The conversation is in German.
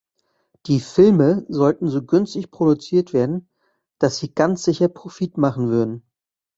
Die Filme sollten so günstig produziert werden, dass sie ganz sicher Profit machen würden.